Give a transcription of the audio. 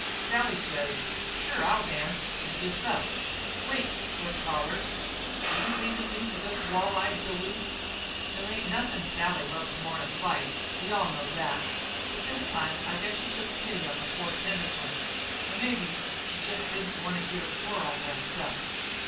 "Sally says, 'Sure I'll dance,' and gets up. "'Wait!' hollers Butch; 'are you leavin' me for this wall eyed galoot?' "There ain't nothin' Sally loves more'n a fight we all know that. But this time I guess she took pity on the poor tenderfoot, or maybe she jest didn't want to get her floor all messed up.